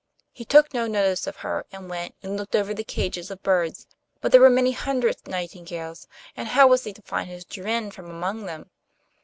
He took no notice of her, and went and looked over the cages of birds; but there were many hundred nightingales, and how was he to find his Jorinde from among them?